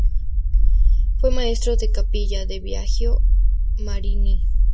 Fue maestro de capilla de Biagio Marini.